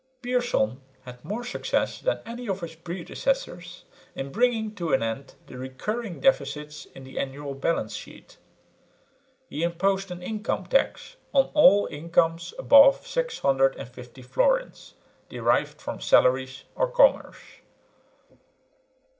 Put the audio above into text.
Pierson had more success than any of his predecessors in bringing to an end the recurring deficits in the annual balance sheet. He imposed an income tax on all incomes above 650 florins derived from salaries or commerce.